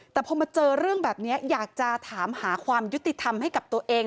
แต่พอมาเจอเรื่องแบบนี้อยากจะถามหาความยุติธรรมให้กับตัวเอง